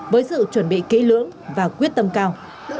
với sự chuẩn bị kỹ lưỡng và quyết tâm cao